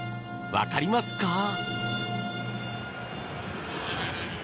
分かりますか？